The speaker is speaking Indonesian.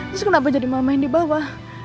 terus kenapa jadi mama yang dibawa